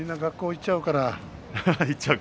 行っちゃうから？